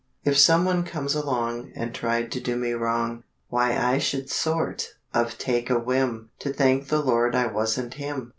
If some one come along, And tried to do me wrong, Why I should sort of take a whim To thank the Lord I wasn't him.